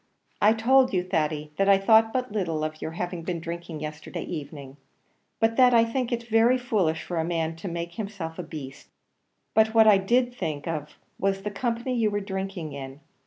"I told you, Thady, that I thought but little of your having been drinking yesterday evening; not but that I think it very foolish for a man to make himself a beast; but what I did think of was the company you were drinking in.